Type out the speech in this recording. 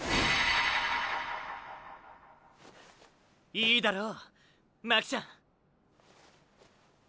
いいだろう？巻ちゃん。